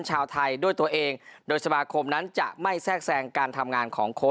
ชาวไทยด้วยตัวเองโดยสมาคมนั้นจะไม่แทรกแทรงการทำงานของโค้ช